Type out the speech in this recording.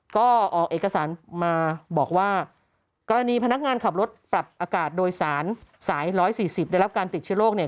ก็ออกเอกสารมาบอกว่ากรณีพนักงานขับรถปรับอากาศโดยสารสาย๑๔๐ได้รับการติดเชื้อโรคเนี่ย